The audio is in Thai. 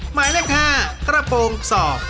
หมายเลข๕กระโปรงศอก